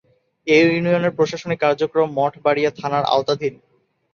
এ ইউনিয়নের প্রশাসনিক কার্যক্রম মঠবাড়িয়া থানার আওতাধীন।